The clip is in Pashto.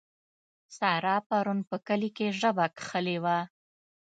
سارا پرون په کلي کې ژبه کښلې وه.